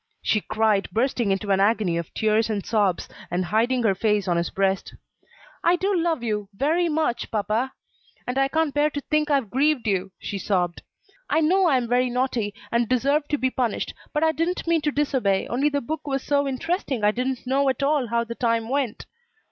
she cried, bursting into an agony of tears and sobs, and hiding her face on his breast. "I do love you very much, papa, and I can't bear to think I've grieved you," she sobbed. "I know I am very naughty, and deserve to be punished but I didn't mean to disobey, only the book was so interesting I didn't know at all how the time went."